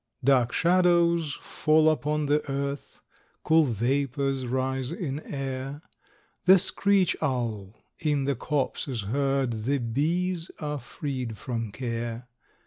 Dark shadows fall upon the earth, Cool vapors rise in air, The screech owl in the copse is heard, The bees are freed from care.